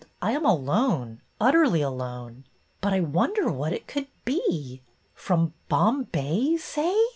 I am alone, utterly alone. But I wonder what it could be ; from Bombay, you say